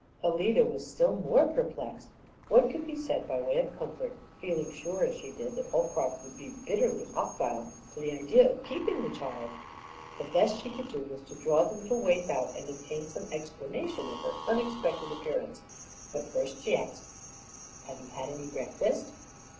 Alida was still more perplexed. What could be said by way of comfort, feeling sure as she did that Holcroft would be bitterly hostile to the idea of keeping the child? The best she could do was to draw the little waif out and obtain some explanation of her unexpected appearance. But first she asked, "Have you had any breakfast?"